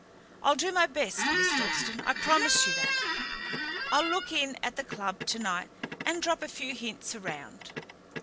I'll do my best, Miss Dalstan, I promise you that. I'll look in at the club to night and drop a few hints around."